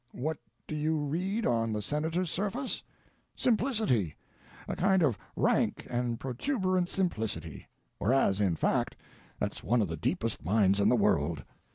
What do you read on the Senator's surface? Simplicity; a kind of rank and protuberant simplicity; whereas, in fact, that's one of the deepest minds in the world.